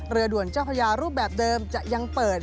เรือด่วนเจ้าพญารูปแบบเดิมจะยังเปิด